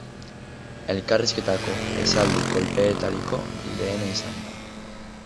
Elkarrizketako esaldi-kolpeetariko lehena izan da.